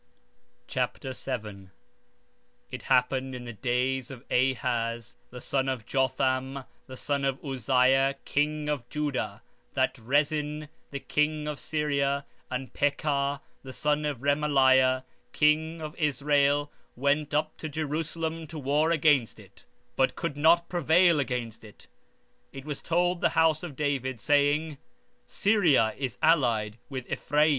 2 Nephi Chapter 17 17:1 And it came to pass in the days of Ahaz the son of Jotham, the son of Uzziah, king of Judah, that Rezin, king of Syria, and Pekah the son of Remaliah, king of Israel, went up toward Jerusalem to war against it, but could not prevail against it. 17:2 And it was told the house of David, saying: Syria is confederate with Ephraim.